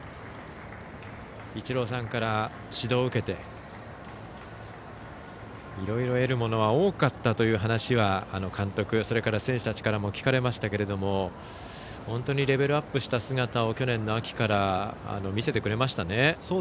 イチローさんから指導を受けていろいろ得るものは多かったという話は監督、それから選手たちからも聞かれましたけども本当にレベルアップした姿を去年の秋から見せてくれましたね。